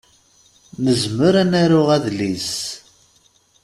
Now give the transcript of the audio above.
Nezmer ad naru adlis.